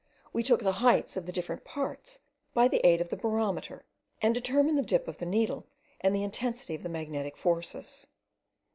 We took the heights of the different parts by the aid of the barometer, and determined the dip of the needle and the intensity of the magnetic forces.